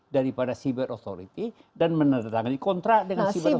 dari pada cyber authority dan menandatangani kontrak dengan cyber authority